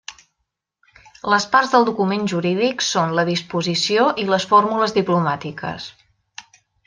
Les parts del document jurídic són: la disposició i les fórmules diplomàtiques.